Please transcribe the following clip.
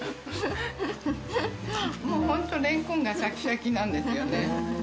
ホントれんこんがシャキシャキなんですよね。